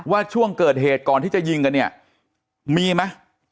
ช่วงเกิดเหตุก่อนที่จะยิงกันเนี่ยมีไหม